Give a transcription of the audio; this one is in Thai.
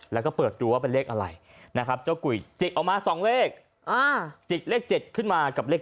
แล้วก็เปิดดูว่าเป็นเลขอะไรนะครับเจ้ากุยจิกออกมา๒เลขจิกเลข๗ขึ้นมากับเลข๗